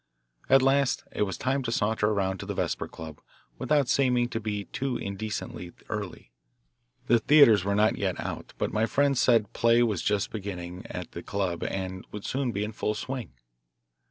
At last it was time to saunter around to the Vesper Club without seeming to be too indecently early. The theatres were not yet out, but my friend said play was just beginning at the club and would soon be in full swing.